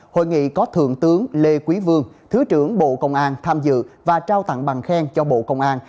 hội nghị có thượng tướng lê quý vương thứ trưởng bộ công an tham dự và trao tặng bằng khen cho bộ công an